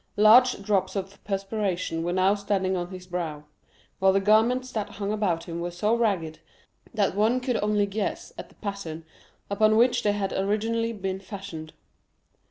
Large drops of perspiration were now standing on his brow, while the garments that hung about him were so ragged that one could only guess at the pattern upon which they had originally been fashioned.